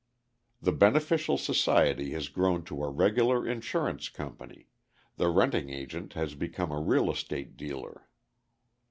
The beneficial society has grown to a regular insurance company, the renting agent has become a real estate dealer.